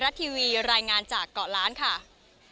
จำนวนนักท่องเที่ยวที่เดินทางมาพักผ่อนเพิ่มขึ้นในปีนี้